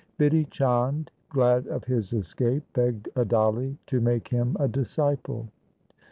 Bidhi Chand, glad of his escape, begged Adali to make him a disciple.